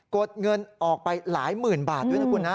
ดเงินออกไปหลายหมื่นบาทด้วยนะคุณนะ